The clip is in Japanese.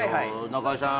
中居さん